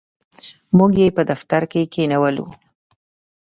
موږ یې په دفتر کې کښېنولو.